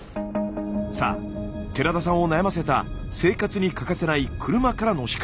さあ寺田さんを悩ませた生活に欠かせない車からの視界。